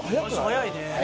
早いね